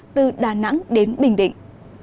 từ đà nẵng đến bình định